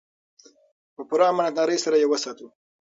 په پوره امانتدارۍ سره یې وساتو.